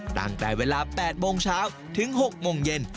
ตั้งแต่เวลา๘โมงเช้าถึง๖โมงเย็น